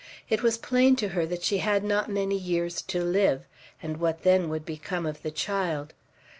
It was plain to her that she had not many years to live; and what then would become of the child?